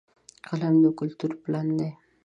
قلم د کلتور پالن دی